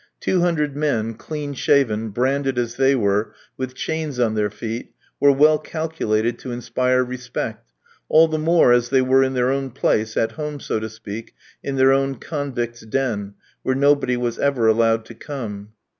Two hundred men, clean shaven, branded as they were, with chains on their feet, were well calculated to inspire respect, all the more as they were in their own place, at home so to speak, in their own convict's den, where nobody was ever allowed to come.